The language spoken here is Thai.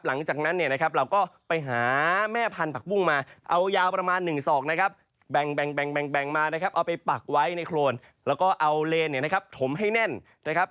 หลังจากนั้นเนี่ยนะครับเราก็ไปหาแม่พันธุผักบุ้งมาเอายาวประมาณ๑ศอกนะครับแบ่งมานะครับเอาไปปักไว้ในโครนแล้วก็เอาเลนเนี่ยนะครับถมให้แน่นนะครับ